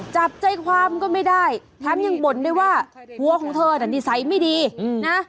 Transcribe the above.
จับใจความก็ไม่ได้แถมยังบ่นด้วยว่าผัวของเธอน่ะนิสัยไม่ดีนะ